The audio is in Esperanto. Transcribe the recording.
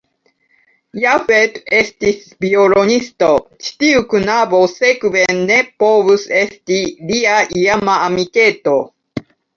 Jafet estis violonisto, ĉi tiu knabo sekve ne povus esti lia iama amiketo.